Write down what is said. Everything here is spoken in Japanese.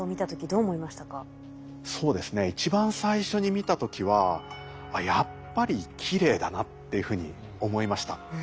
そうですね一番最初に見た時はやっぱりきれいだなっていうふうに思いました。